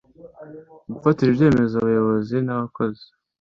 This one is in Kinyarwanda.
Gufatira ibyemezo abayobozi n abakozi